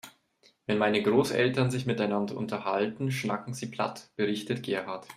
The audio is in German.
"Wenn meine Großeltern sich miteinander unterhalten, schnacken sie platt", berichtet Gerhard.